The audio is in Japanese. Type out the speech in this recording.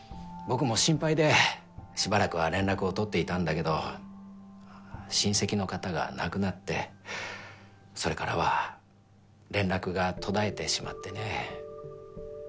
僕も心配でしばらくは連絡を取っていたんだけど親戚の方が亡くなってそれからは連絡が途絶えてしまってね。